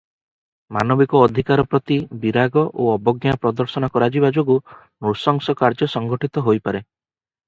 ମାନବିକ ଅଧିକାର ପ୍ରତି ବିରାଗ ଓ ଅବଜ୍ଞା ପ୍ରଦର୍ଶନ କରାଯିବା ଯୋଗୁଁ ନୃଶଂସ କାର୍ଯ୍ୟ ସଂଘଟିତ ହୋଇପାରେ ।